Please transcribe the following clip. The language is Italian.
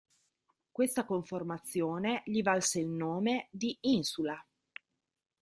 Questa conformazione gli valse il nome di "Insula".